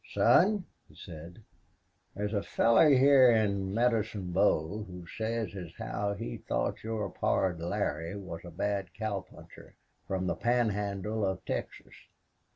"Son," he said, "there's a feller hyar in Medicine Bow who says as how he thought your pard Larry was a bad cowpuncher from the Pan Handle of Texas."